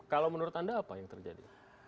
kalau menurut anda apa yang terjadi